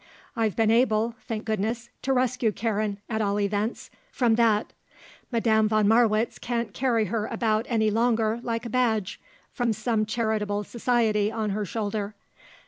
I've been able, thank goodness, to rescue Karen, at all events, from that. Madame von Marwitz can't carry her about any longer like a badge from some charitable society on her shoulder.